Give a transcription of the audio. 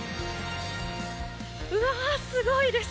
うわー、すごいです。